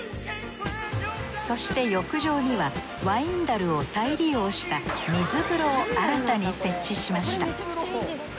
そして浴場にはワイン樽を再利用した水風呂を新たに設置しました。